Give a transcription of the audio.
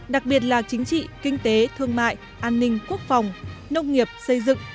đặc biệt là chính trị kinh tế thương mại an ninh quốc phòng nông nghiệp xây dựng